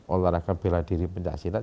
olahraga bela diri pencaksilat